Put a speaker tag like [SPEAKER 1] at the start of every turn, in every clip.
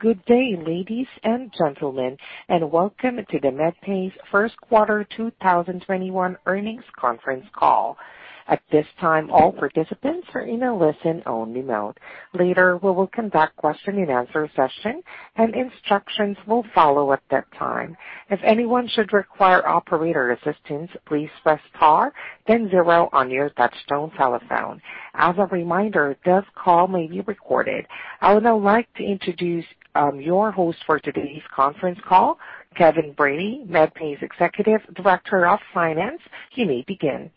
[SPEAKER 1] Good day, ladies and gentlemen, and welcome to the Medpace Q1 2021 earnings conference call. At this time, all participants are in a listen only mode. Later, we will conduct question-and-answer session and instructions will follow at that time. If anyone should require operator assistance, please press star then zero on your touch-tone telephone. As a reminder, this call may be recorded. I would now like to introduce your host for today's conference call, Kevin Brady, Medpace Executive Director of Finance. You may begin.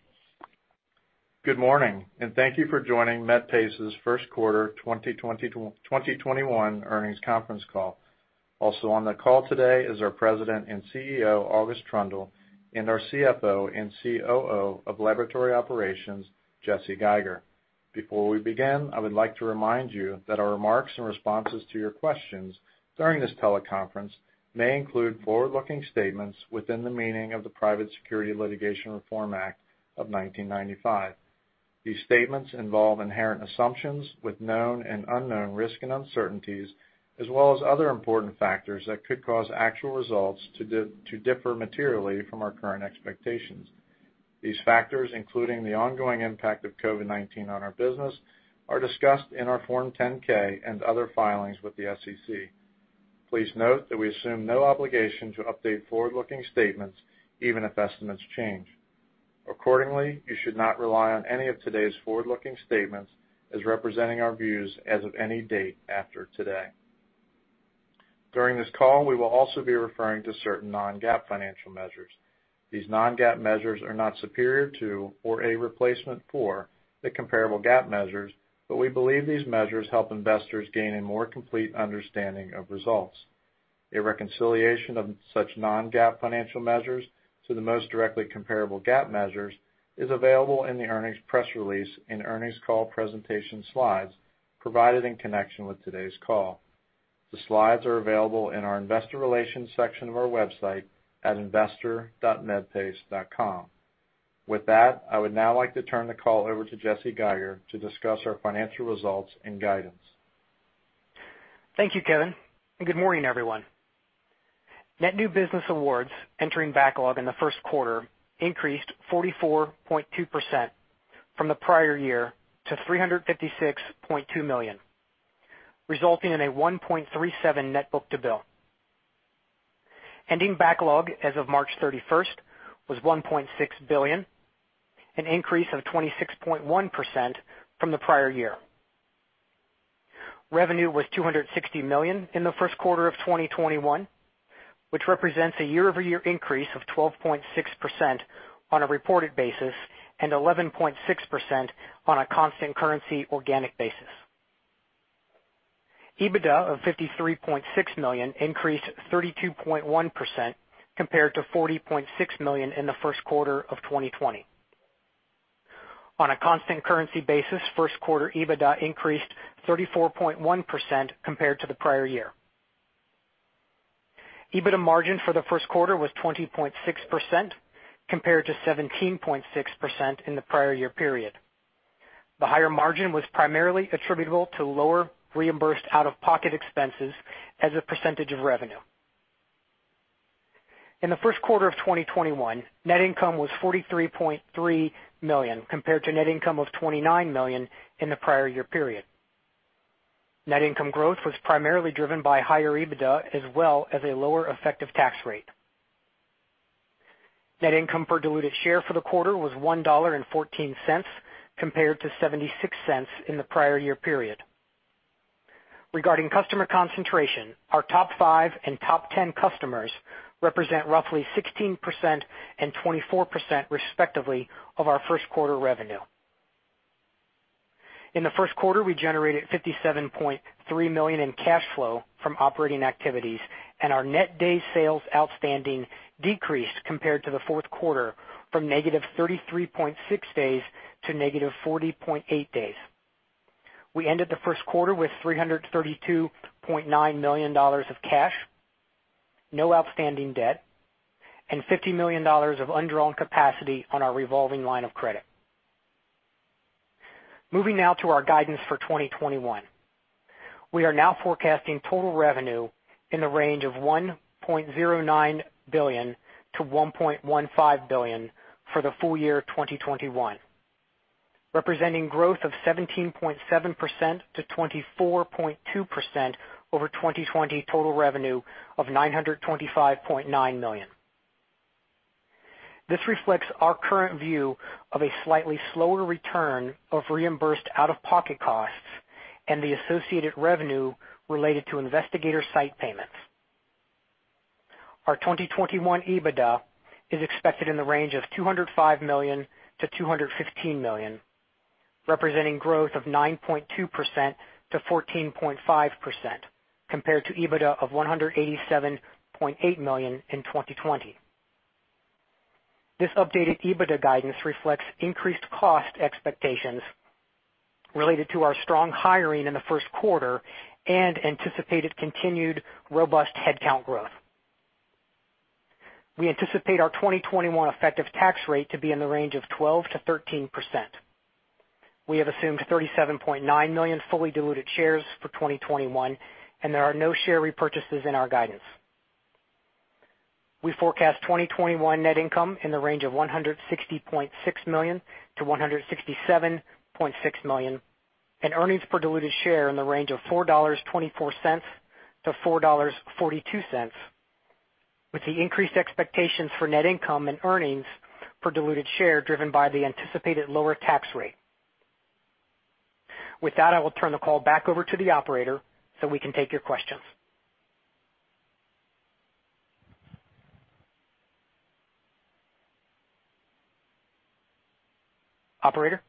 [SPEAKER 2] Good morning and thank you for joining Medpace's Q1 2021 earnings conference call. On the call today is our President and CEO, August Troendle, and our CFO and COO of Laboratory Operations, Jesse Geiger. Before we begin, I would like to remind you that our remarks and responses to your questions during this teleconference may include forward-looking statements within the meaning of the Private Securities Litigation Reform Act of 1995. These statements involve inherent assumptions with known and unknown risks and uncertainties, as well as other important factors that could cause actual results to differ materially from our current expectations. These factors, including the ongoing impact of COVID-19 on our business, are discussed in our Form 10-K and other filings with the SEC. Please note that we assume no obligation to update forward-looking statements even if estimates change. Accordingly, you should not rely on any of today's forward-looking statements as representing our views as of any date after today. During this call, we will also be referring to certain non-GAAP financial measures. These non-GAAP measures are not superior to or a replacement for the comparable GAAP measures, but we believe these measures help investors gain a more complete understanding of results. A reconciliation of such non-GAAP financial measures to the most directly comparable GAAP measures is available in the earnings press release and earnings call presentation slides provided in connection with today's call. The slides are available in our investor relations section of our website at investor.medpace.com. With that, I would now like to turn the call over to Jesse Geiger to discuss our financial results and guidance.
[SPEAKER 3] Thank you, Kevin. Good morning, everyone. Net new business awards entering backlog in the Q1 increased 44.2% from the prior year to $356.2 million, resulting in a 1.37 net book-to-bill. Ending backlog as of March 31st was $1.6 billion, an increase of 26.1% from the prior year. Revenue was $260 million in the Q1 of 2021, which represents a year-over-year increase of 12.6% on a reported basis and 11.6% on a constant currency organic basis. EBITDA of $53.6 million increased 32.1% compared to $40.6 million in the Q1 of 2020. On a constant currency basis, Q1 EBITDA increased 34.1% compared to the prior year. EBITDA margin for the Q1 was 20.6% compared to 17.6% in the prior year period. The higher margin was primarily attributable to lower reimbursed out-of-pocket expenses as a percentage of revenue. In the Q1 of 2021, net income was $43.3 million compared to net income of $29 million in the prior year period. Net income growth was primarily driven by higher EBITDA as well as a lower effective tax rate. Net income per diluted share for the quarter was $1.14 compared to $0.76 in the prior year period. Regarding customer concentration, our top five and top 10 customers represent roughly 16% and 24%, respectively, of our Q1 revenue. In the Q1, we generated $57.3 million in cash flow from operating activities, and our net days sales outstanding decreased compared to the fourth quarter from -33.6 days to -40.8 days. We ended the Q1 with $332.9 million of cash, no outstanding debt, and $50 million of undrawn capacity on our revolving line of credit. Moving now to our guidance for 2021. We are now forecasting total revenue in the range of $1.09-$1.15 billion for the full year 2021, representing growth of 17.7%-24.2% over 2020 total revenue of $925.9 million. This reflects our current view of a slightly slower return of reimbursed out-of-pocket costs and the associated revenue related to investigator site payments. Our 2021 EBITDA is expected in the range of $205-$215 million, representing growth of 9.2%-14.5% compared to EBITDA of $187.8 million in 2020. This updated EBITDA guidance reflects increased cost expectations related to our strong hiring in the Q1 and anticipated continued robust headcount growth. We anticipate our 2021 effective tax rate to be in the range of 12%-13%. We have assumed 37.9 million fully diluted shares for 2021, and there are no share repurchases in our guidance. We forecast 2021 net income in the range of $160.6-$167.6 million, and earnings per diluted share in the range of $4.24-$4.42, with the increased expectations for net income and earnings per diluted share driven by the anticipated lower tax rate. With that, I will turn the call back over to the operator so we can take your questions. Operator?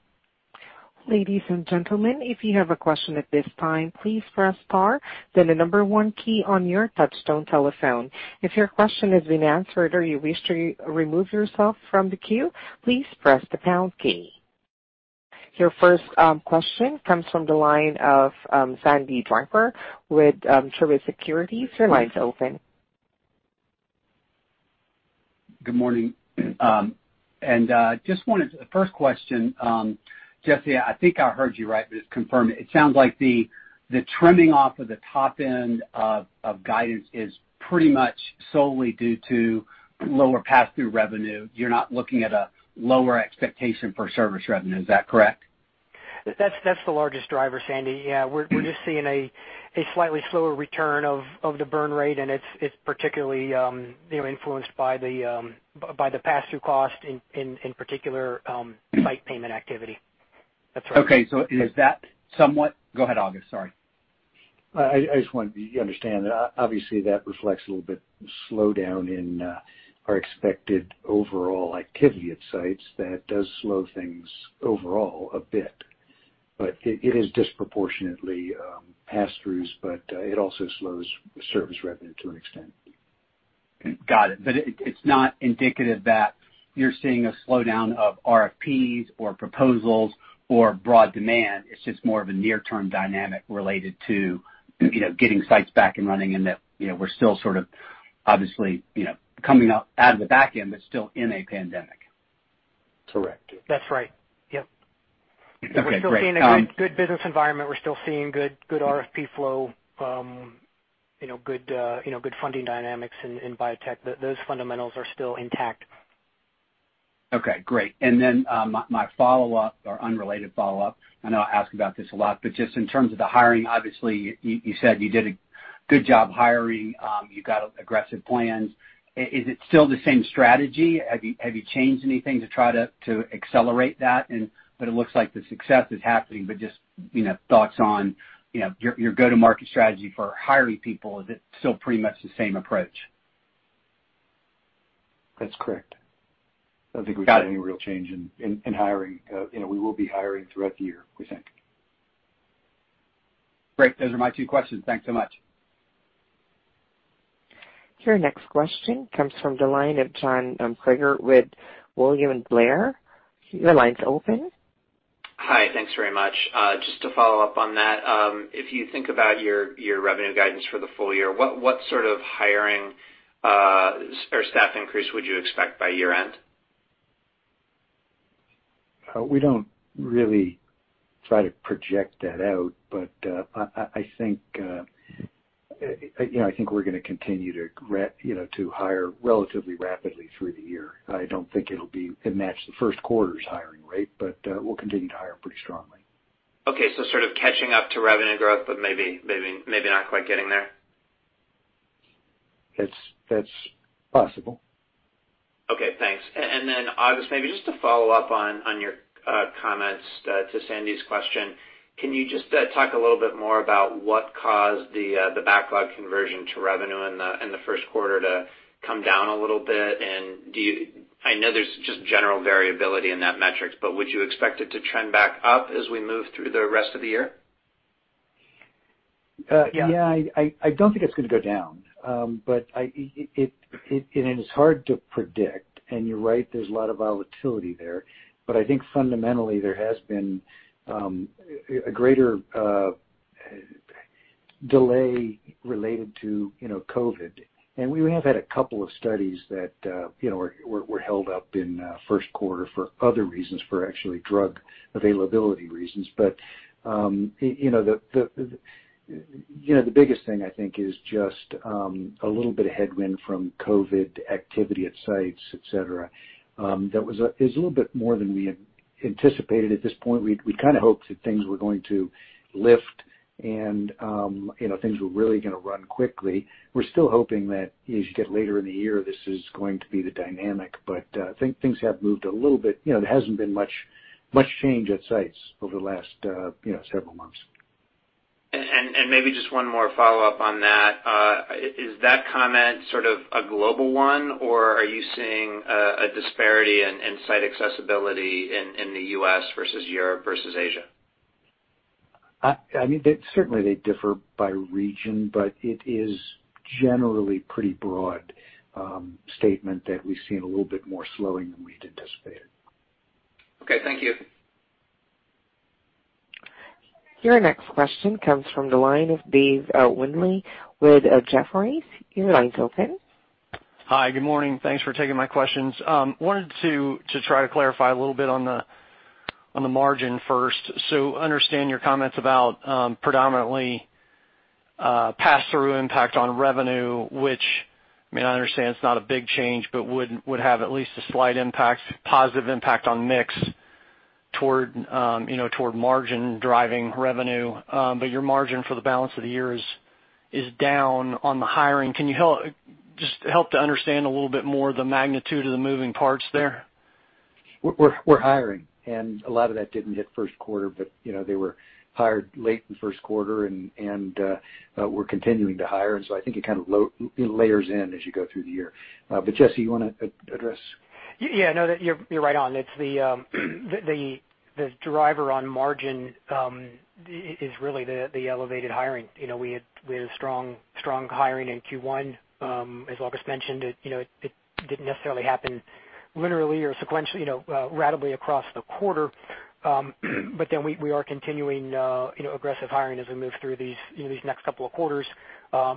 [SPEAKER 1] Ladies and gentlemen, if you have a question at this time, please press star then the number one key on your touchtone telephone. If your question has been answered or you wish to remove yourself from the queue, please press the pound key. Your first question comes from the line of Sandy Draper with Truist Securities. Your line's open.
[SPEAKER 4] Good morning. The first question, Jesse, I think I heard you right but just confirm. It sounds like the trimming off of the top end of guidance is pretty much solely due to lower passthrough revenue. You're not looking at a lower expectation for service revenue. Is that correct?
[SPEAKER 3] That's the largest driver, Sandy. Yeah. We're just seeing a slightly slower return of the burn rate, and it's particularly, you know, influenced by the passthrough cost, in particular, site payment activity. That's right.
[SPEAKER 4] Okay. Is that? Go ahead, August. Sorry.
[SPEAKER 5] I just wanted you to understand that obviously that reflects a little bit slowdown in our expected overall activity at sites. That does slow things overall a bit. It is disproportionately pass-throughs, but it also slows service revenue to an extent.
[SPEAKER 4] Got it. It's not indicative that you're seeing a slowdown of RFPs or proposals or broad demand. It's just more of a near-term dynamic related to, you know, getting sites back and running and that, you know, we're still sort of, obviously, you know, coming up out of the back end, but still in a pandemic.
[SPEAKER 5] Correct.
[SPEAKER 3] That's right. Yep.
[SPEAKER 4] Okay, great.
[SPEAKER 3] We're still seeing a good business environment. We're still seeing good RFP flow, you know, good, you know, good funding dynamics in biotech. Those fundamentals are still intact.
[SPEAKER 4] Okay, great. My, my follow-up or unrelated follow-up, I know I ask about this a lot, just in terms of the hiring, obviously you said you did a good job hiring. You got aggressive plans. Is it still the same strategy? Have you changed anything to try to accelerate that? It looks like the success is happening, just, you know, thoughts on, you know, your go-to-market strategy for hiring people. Is it still pretty much the same approach?
[SPEAKER 5] That's correct.
[SPEAKER 4] Got it.
[SPEAKER 5] I don't think we've had any real change in hiring. You know, we will be hiring throughout the year, we think.
[SPEAKER 4] Great. Those are my two questions. Thanks so much.
[SPEAKER 1] Your next question comes from the line of John Kreger with William Blair. Your line's open.
[SPEAKER 6] Hi. Thanks very much. Just to follow up on that, if you think about your revenue guidance for the full year, what sort of hiring or staff increase would you expect by year-end?
[SPEAKER 5] We don't really try to project that out, but I think, you know, I think we're going to continue to you know, to hire relatively rapidly through the year. I don't think it'll match the Q1's hiring rate, but we'll continue to hire pretty strongly.
[SPEAKER 6] Sort of catching up to revenue growth, but maybe not quite getting there.
[SPEAKER 5] That's possible.
[SPEAKER 6] Okay, thanks. August, maybe just to follow up on your comments to Sandy's question, can you just talk a little bit more about what caused the backlog conversion to revenue in the Q1 to come down a little bit? I know there's just general variability in that metric, but would you expect it to trend back up as we move through the rest of the year?
[SPEAKER 5] Yeah. I don't think it's going to go down. But I, it's hard to predict, and you're right, there's a lot of volatility there. I think fundamentally there has been a greater delay related to, you know, COVID. We have had a couple of studies that, you know, were held up in Q1 for other reasons, for actually drug availability reasons. You know, the biggest thing I think is just a little bit of headwind from COVID activity at sites, et cetera, that is a little bit more than we had anticipated at this point. We kind of hoped that things were going to lift and, you know, things were really going to run quickly. We're still hoping that as you get later in the year, this is going to be the dynamic, but things have moved a little bit. You know, there hasn't been much, much change at sites over the last, you know, several months.
[SPEAKER 6] Maybe just one more follow-up on that. Is that comment sort of a global one, or are you seeing a disparity in site accessibility in the U.S. versus Europe versus Asia?
[SPEAKER 5] I mean, certainly they differ by region, but it is generally pretty broad statement that we've seen a little bit more slowing than we'd anticipated.
[SPEAKER 6] Okay. Thank you.
[SPEAKER 1] Your next question comes from the line of Dave Windley with Jefferies. Your line's open.
[SPEAKER 7] Hi, good morning. Thanks for taking my questions. Wanted to try to clarify a little bit on the margin first. Understand your comments about predominantly pass-through impact on revenue, which, I mean, I understand it's not a big change, but would have at least a slight impact, positive impact on mix toward, you know, toward margin driving revenue. Your margin for the balance of the year is down on the hiring. Can you just help to understand a little bit more the magnitude of the moving parts there?
[SPEAKER 5] We're hiring, and a lot of that didn't hit Q1, but, you know, they were hired late in the Q1, and we're continuing to hire. I think it kind of its layers in as you go through the year. Jesse, you want to address?
[SPEAKER 3] You're right on. It's the driver on margin is really the elevated hiring. You know, we had strong hiring in Q1. As August mentioned it, you know, it didn't necessarily happen literally or sequentially, you know, ratably across the quarter. We are continuing aggressive hiring as we move through these, you know, these next couple of quarters,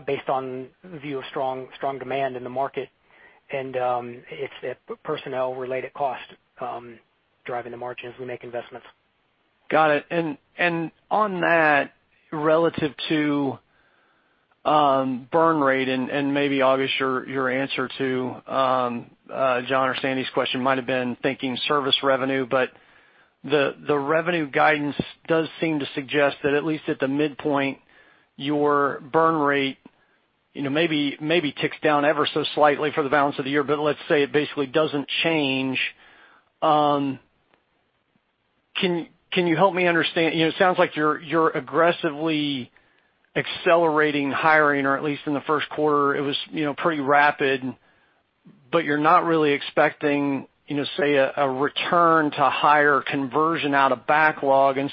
[SPEAKER 3] based on view of strong demand in the market. It's a personnel-related cost driving the margin as we make investments.
[SPEAKER 7] Got it. On that, relative to burn rate and maybe August your answer to John or Sandy's question might have been thinking service revenue. The revenue guidance does seem to suggest that at least at the midpoint, your burn rate maybe ticks down ever so slightly for the balance of the year, but let's say it basically doesn't change. Can you help me understand? It sounds like you're aggressively accelerating hiring or at least in the Q1 it was pretty rapid. You're not really expecting say a return to higher conversion out of backlog. Again,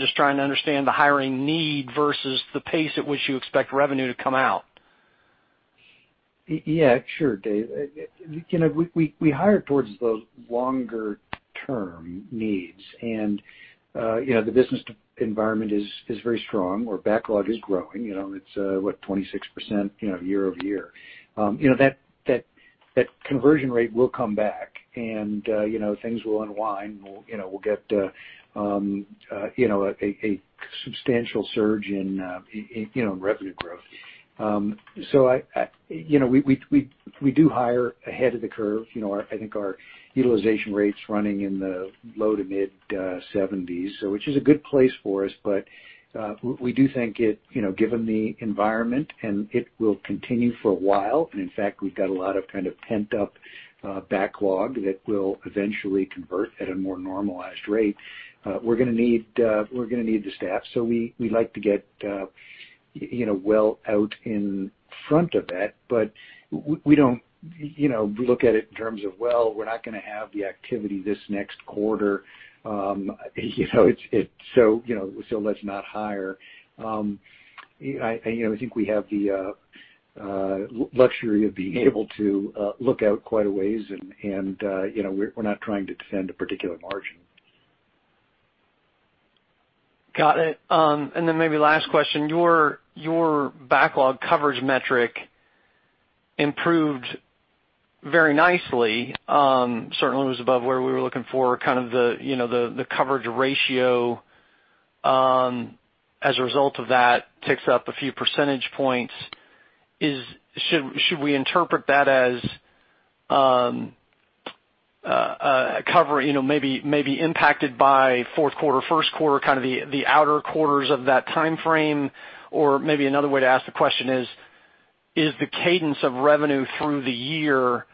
[SPEAKER 7] just trying to understand the hiring need versus the pace at which you expect revenue to come out.
[SPEAKER 5] Yeah, sure, Dave. You know, we hire towards the longer-term needs. You know, the business environment is very strong. Our backlog is growing. You know, it's what, 26%, you know, year-over-year. You know that conversion rate will come back and, you know, things will unwind. We'll, you know, we'll get a substantial surge in, you know, revenue growth. I, you know, we do hire ahead of the curve. You know, I think our utilization rate's running in the low to mid 70s, so which is a good place for us. We, we do think it, you know, given the environment, and it will continue for a while, and in fact, we've got a lot of pent-up backlogs that will eventually convert at a more normalized rate. We're going to need the staff, so we like to get, you know, well out in front of that. We, we don't, you know, look at it in terms of, "Well, we're not going to have the activity this next quarter." You know, let's not hire. I, you know, think we have the luxury of being able to look out quite a way, and, you know, we're not trying to defend a particular margin.
[SPEAKER 7] Got it. Then maybe last question. Your backlog coverage metric improved very nicely. Certainly, was above where we were looking for kind of the, you know, the coverage ratio, as a result of that ticks up a few percentage points. Should we interpret that as a cover, you know, maybe impacted by Q4, Q1, kind of the outer quarters of that timeframe? Or maybe another way to ask the question is the cadence of revenue through the year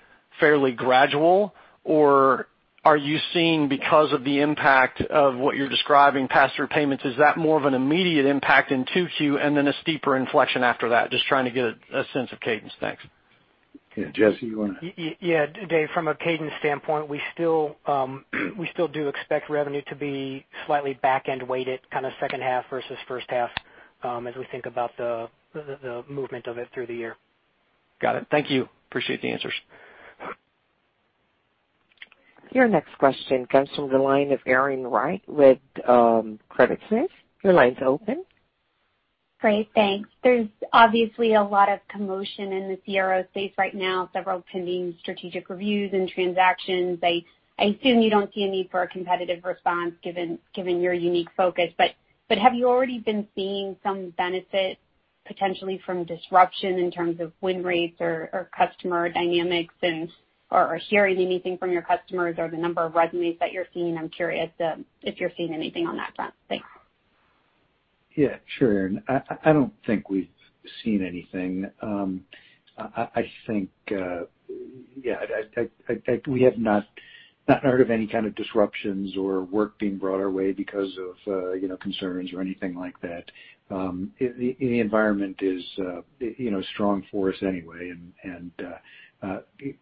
[SPEAKER 7] fairly gradual, or are you seeing because of the impact of what you're describing, pass-through payments, is that more of an immediate impact in 2Q and then a steeper inflection after that? Just trying to get a sense of cadence. Thanks.
[SPEAKER 5] Yeah, Jesse, you want to?
[SPEAKER 3] Yeah, Dave, from a cadence standpoint, we still do expect revenue to be slightly back-end weighted, kind of H2 versus H1, as we think about the movement of it through the year.
[SPEAKER 7] Got it. Thank you. Appreciate the answers.
[SPEAKER 1] Your next question comes from the line of Erin Wright with Credit Suisse. Your line's open.
[SPEAKER 8] Great, thanks. There's obviously a lot of commotion in the CRO space right now, several pending strategic reviews and transactions. I assume you don't see a need for a competitive response given your unique focus. Have you already been seeing some benefit potentially from disruption in terms of win rates or customer dynamics or hearing anything from your customers or the number of resumes that you're seeing? I'm curious if you're seeing anything on that front. Thanks.
[SPEAKER 5] Yeah, sure. I don't think we've seen anything. I think, yeah, we have not heard of any kind of disruptions or work being brought our way because of, you know, concerns or anything like that. The environment is, you know, strong for us anyway.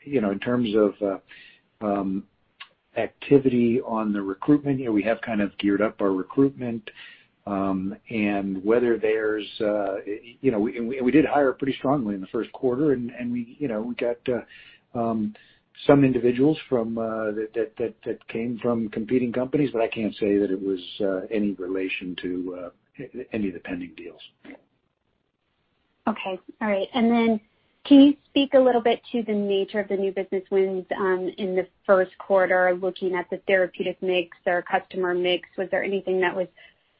[SPEAKER 5] You know, in terms of activity on the recruitment, you know, we have kind of geared up our recruitment. Whether there's, you know, we did hire pretty strongly in the Q1, and we, you know, we got some individuals from that came from competing companies, but I can't say that it was any relation to any of the pending deals.
[SPEAKER 8] Okay. All right. Then can you speak a little bit to the nature of the new business wins in the Q1, looking at the therapeutic mix or customer mix? Was there anything that was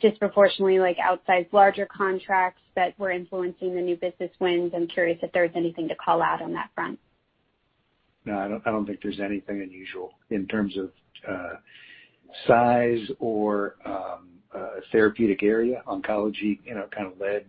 [SPEAKER 8] disproportionately like outsized larger contracts that were influencing the new business wins? I'm curious if there's anything to call out on that front.
[SPEAKER 5] No, I don't think there's anything unusual in terms of size or a therapeutic area. Oncology, you know, kind of led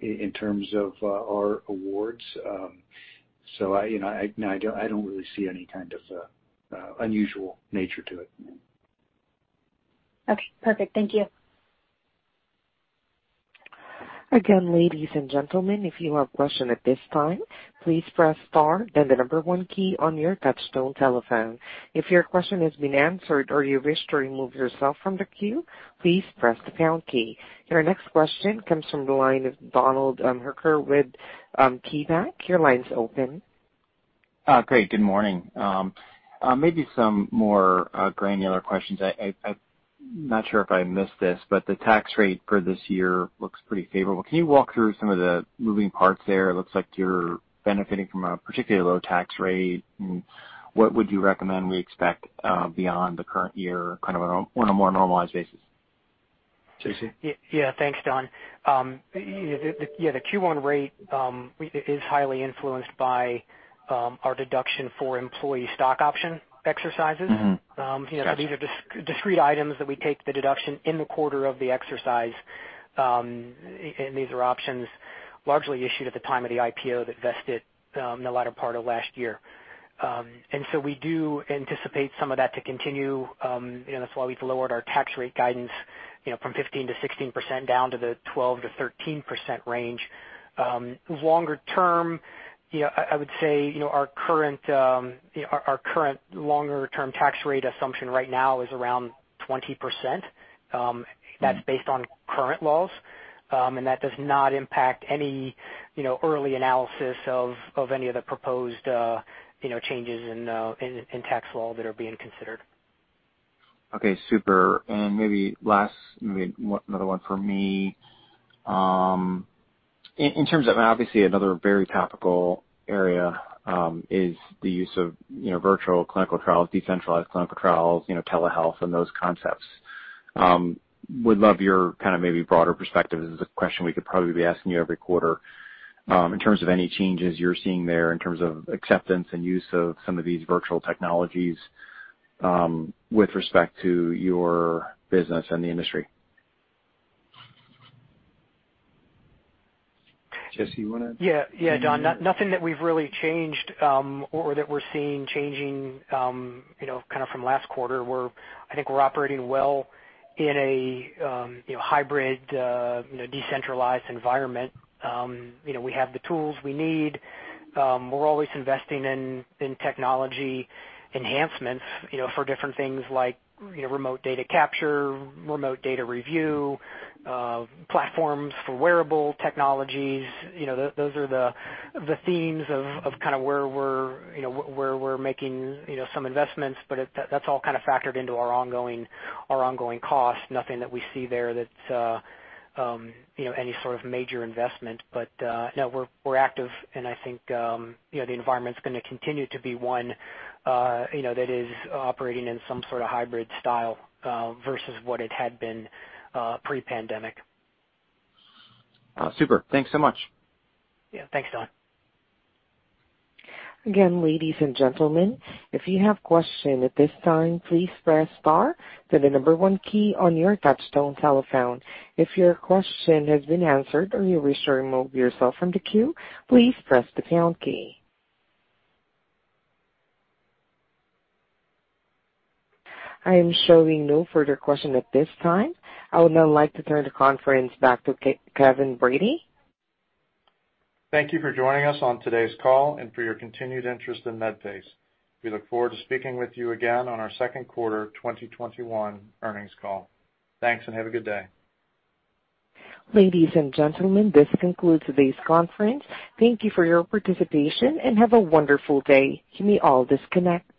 [SPEAKER 5] in terms of our awards. I, you know, I don't really see any kind of unusual nature to it.
[SPEAKER 8] Okay. Perfect. Thank you.
[SPEAKER 1] Again, ladies and gentlemen, if you have question at this time, please press star then the 1 key on your touchtone telephone. If your question has been answered or you wish to remove yourself from the queue, please press the pound key. Your next question comes from the line of Donald Hooker with KeyBanc. Your line's open.
[SPEAKER 9] Great. Good morning. Maybe some more granular questions. I'm not sure if I missed this, but the tax rate for this year looks pretty favorable. Can you walk through some of the moving parts there? It looks like you're benefiting from a particularly low tax rate. What would you recommend we expect beyond the current year, kind of on a more normalized basis?
[SPEAKER 5] Jesse?
[SPEAKER 3] Yeah. Thanks, Don. Yeah, the Q1 rate is highly influenced by our deduction for employee stock option exercises.
[SPEAKER 9] Gotcha.
[SPEAKER 3] These are discrete items that we take the deduction in the quarter of the exercise, and these are options largely issued at the time of the IPO that vested in the latter part of last year. We do anticipate some of that to continue. you know, that's why we've lowered our tax rate guidance, you know, from 15%-16% down to the 12%-13% range. longer term, you know, I would say, you know, our current, you know, our current longer term tax rate assumption right now is around 20%. That's based on current laws. That does not impact any, you know, early analysis of any of the proposed, you know, changes in tax law that are being considered.
[SPEAKER 9] Okay. Super. Maybe last, maybe another one from me. In terms of obviously another very topical area, is the use of, you know, virtual clinical trials, decentralized clinical trials, you know, telehealth and those concepts. Would love your kind of maybe broader perspective. This is a question we could probably be asking you every quarter, in terms of any changes you're seeing there in terms of acceptance and use of some of these virtual technologies, with respect to your business and the industry.
[SPEAKER 5] Jesse, you want to talk about that?
[SPEAKER 3] Yeah, Don. Nothing that we've really changed, or that we're seeing changing, you know, kind of from last quarter. I think we're operating well in a, you know, hybrid, you know, decentralized environment. You know, we have the tools we need. We're always investing in technology enhancements, you know, for different things like, you know, remote data capture, remote data review, platforms for wearable technologies. You know, those are the themes of kind of where we're, you know, where we're making, you know, some investments, but that's all kind of factored into our ongoing, our ongoing costs. Nothing that we see there that's, you know, any sort of major investment. You know, we're active, and I think, you know, the environment's going to continue to be one, you know, that is operating in some sort of hybrid style, versus what it had been, pre-pandemic.
[SPEAKER 9] super. Thanks so much.
[SPEAKER 3] Yeah. Thanks, Don.
[SPEAKER 1] Again, ladies and gentlemen, if you have question at this time, please press star then the 1 key on your touchtone telephone. If your question has been answered or you wish to remove yourself from the queue, please press the pound key. I am showing no further question at this time. I would now like to turn the conference back to Kevin Brady.
[SPEAKER 2] Thank you for joining us on today's call and for your continued interest in Medpace. We look forward to speaking with you again on our Q2 2021 earnings call. Thanks, and have a good day.
[SPEAKER 1] Ladies and gentlemen, this concludes today's conference. Thank you for your participation and have a wonderful day. You may all disconnect.